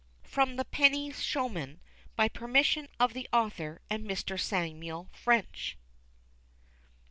(From "THE PENNY SHOWMAN," by permission of the Author and MR. SAMUEL FRENCH.)